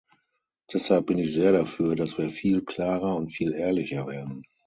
Deshalb bin ich sehr dafür, dass wir viel klarer und viel ehrlicher werden.